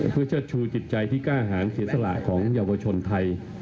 เพื่อเชิดชูจิตใจที่กล้าหารเสียสละของเยาวชนไทย